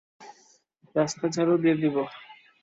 রাস্তা ঝাড়ু দিবো।